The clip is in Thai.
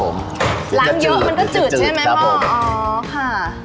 ล้างเยอะมันก็จืดใช่ไหมมะ๙๐๐ครับผมอ๋อค่ะ